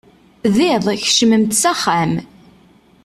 D iḍ, kecmemt s axxam.